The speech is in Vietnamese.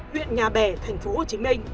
huyện nhà bè tp hcm